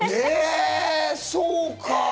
え、そうか。